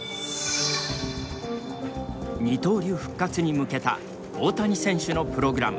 二刀流復活に向けた大谷選手のプログラム。